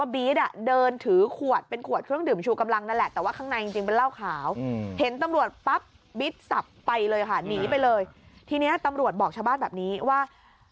บอกชาวบ้านแบบนี้ว่า